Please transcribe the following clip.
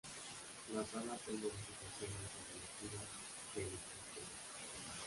Las alas son modificaciones evolutivas del exoesqueleto.